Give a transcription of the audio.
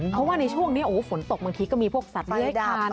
เพราะว่าในช่วงนี้ฝนตกบางทีก็มีพวกสัตว์เลื้อยผ่าน